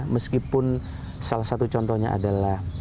meskipun salah satu contohnya adalah